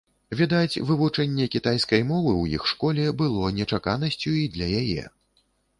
Відаць, вывучэнне кітайскай мовы ў іх школе было нечаканасцю і для яе.